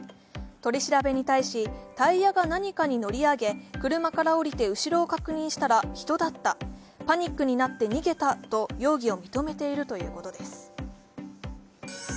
取り調べに対し、タイヤが何かに乗り上げ、車から降りて後ろを確認したら人だったパニックになって逃げたと容疑を認めているということです